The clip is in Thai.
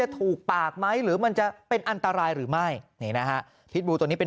ถูกปากไหมหรือมันจะเป็นอันตรายหรือไม่นี่นะฮะพิษบูตัวนี้เป็น